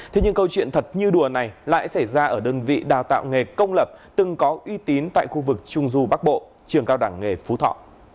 thế nhưng câu chuyện thật như đùa này lại xảy ra ở đơn vị đào tạo nghề công lập từng có uy tín tại khu vực trung du bắc bộ trường cao đẳng nghề phú thọ